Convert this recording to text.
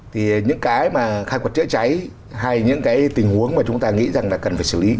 thì những cái mà khai quật chữa cháy hay những cái tình huống mà chúng ta nghĩ rằng là cần phải xử lý